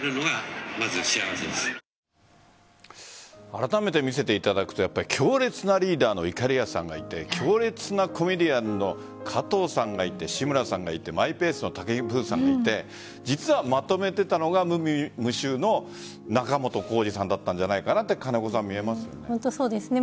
あらためて見せていただくと強烈なリーダーのいかりやさんがいて強烈なコメディアンの加藤さんがいて、志村さんがいてマイペースの高木ブーさんがいて実は、まとめてたのが無味無臭の仲本工事さんだったんじゃないかなとそうですね。